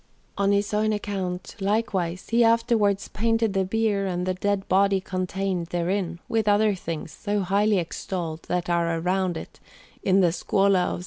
On his own account, likewise, he afterwards painted the bier and the dead body contained therein, with the other things, so highly extolled, that are around it, in the Scuola of S.